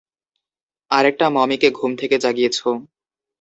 আরেকটা মমিকে ঘুম থেকে জাগিয়েছ!